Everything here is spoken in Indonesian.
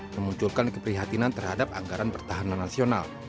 memunculkan keprihatinan terhadap anggaran pertahanan nasional